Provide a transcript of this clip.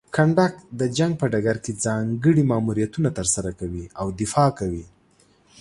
کنډک د جنګ په ډګر کې ځانګړي ماموریتونه ترسره کوي او دفاع کوي.